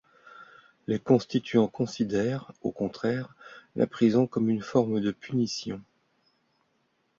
Les constituants considèrent, au contraire, la prison comme une forme de punition.